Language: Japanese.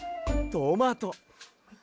トマト。